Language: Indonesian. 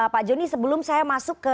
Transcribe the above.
pak joni sebelum saya masuk ke